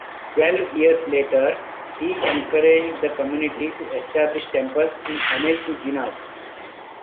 Twelve years later, he encouraged the community to establish temples in homage to Jinas.